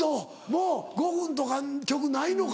もう５分とかの曲ないのか。